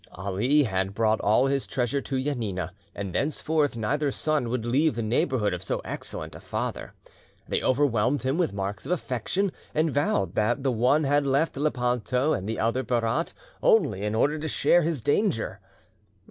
Ali had brought all his treasure to Janina, and thenceforth neither son would leave the neighbourhood of so excellent a father. They overwhelmed him with marks of affection, and vowed that the one had left Lepanto, and the other Berat, only in order to share his danger.